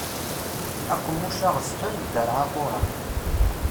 Aqemmuc aɣezfan ddarɛ aquran.